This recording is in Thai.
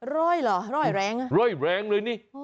ร่อยเหรอร่อยแรงอ่ะร่อยแรงเลยนี่